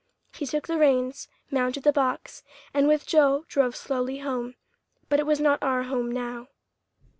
He took the reins, mounted the box, and with Joe drove slowly home; but it was not our home now.